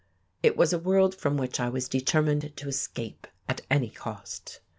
It was a world from which I was determined to escape at any cost.